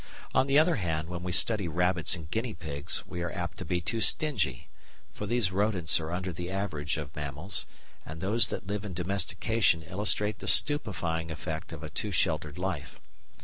On the other hand, when we study rabbits and guinea pigs, we are apt to be too stingy, for these rodents are under the average of mammals, and those that live in domestication illustrate the stupefying effect of a too sheltered life.